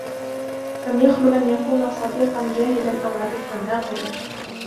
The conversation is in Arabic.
لَمْ يَخْلُ أَنْ يَكُونَ صَدِيقًا جَاهِلًا أَوْ عَدُوًّا عَاقِلًا